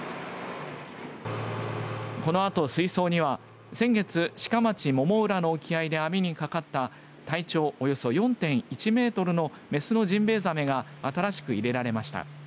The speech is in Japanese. このあと水槽には先月、志賀町百浦の沖合で網にかかった体長およそ４．１メートルの雌のジンベエザメが新しく入れられました。